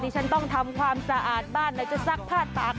ฉันต้องทำความสะอาดบ้านไหนจะซักผ้าปาก